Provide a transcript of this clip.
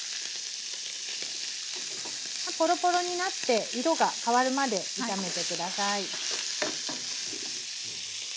ポロポロになって色が変わるまで炒めて下さい。